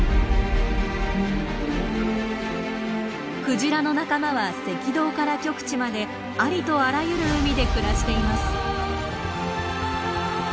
クジラの仲間は赤道から極地までありとあらゆる海で暮らしています。